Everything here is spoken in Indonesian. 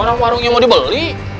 orang warungnya mau dibeli